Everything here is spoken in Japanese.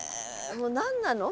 もう何なの？